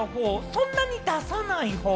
そんなに出さないほう？